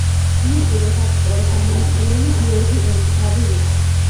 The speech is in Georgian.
მისი რედაქტორ-გამომცემელი გიორგი ერისთავი იყო.